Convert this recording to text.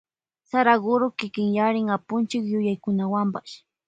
Saraguro kikinyarin Apunchik yuyaykunawanpash.